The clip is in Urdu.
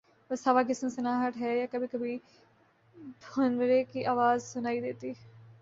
بس ہوا کی سنسناہٹ ہے یا کبھی کبھی بھنورے کی آواز سنائی دیتی